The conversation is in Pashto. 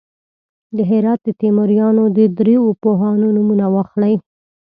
د هرات د تیموریانو د دریو پوهانو نومونه واخلئ.